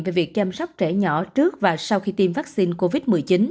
về việc chăm sóc trẻ nhỏ trước và sau khi tiêm vaccine covid một mươi chín